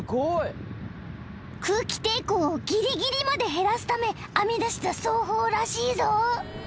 ［空気抵抗をぎりぎりまで減らすため編み出した走法らしいぞ］